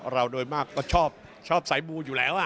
เราโดยมากก็ชอบสายบูอยู่แล้ว